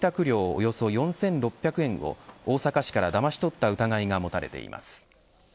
およそ４６００円を大阪市からだまし取った疑いが持たれています。